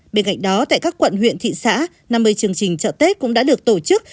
bên cạnh đó tại các quận huyện thị xã năm mươi chương trình chợ tết cũng đã được tổ chức